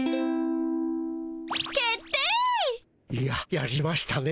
決定！ややりましたね